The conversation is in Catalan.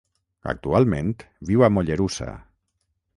Actualment viu a Mollerussa.